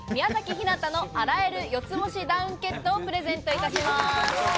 ひなたの洗える４つ星ダウンケット」をプレゼントいたします。